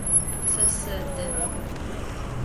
Se sede.